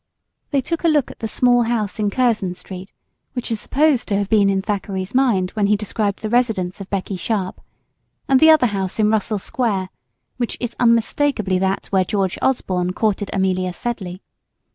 They took a look at the small house in Curzon Street, which is supposed to have been in Thackeray's mind when he described the residence of Becky Sharpe; and the other house in Russell Square which is unmistakably that where George Osborne courted Amelia Sedley.